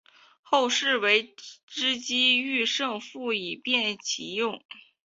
后世为之机抒胜复以便其用。